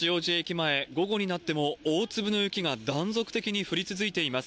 前、午後になっても、大粒の雪が断続的に降り続いています。